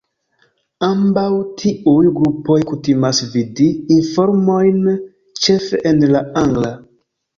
Ambaŭ tiuj grupoj kutimas vidi informojn ĉefe en la angla.